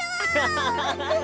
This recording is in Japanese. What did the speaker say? アハハハ。